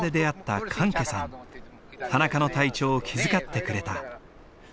田中の体調を気遣ってくれた。